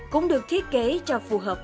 cũng được thiết kế cho phù hợp